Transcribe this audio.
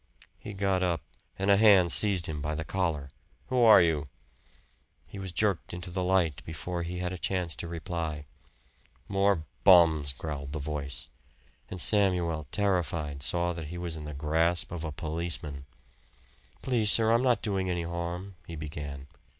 He got up and a hand seized him by the collar. "Who are you?" He was jerked into the light before he had a chance to reply. "More bums!" growled the voice; and Samuel, terrified, saw that he was in the grasp of a policeman. "Please, sir, I'm not doing any harm," he began.